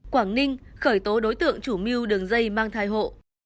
quảng ninh khởi tố đối tượng chủ mưu đường dây mang thai hộ